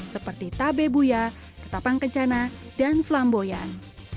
seperti tabe buya ketapang kencana dan flamboyan